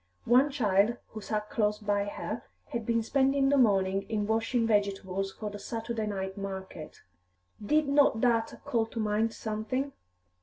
One child, who sat close by her, had been spending the morning in washing vegetables for the Saturday night market. Did not that call to mind something?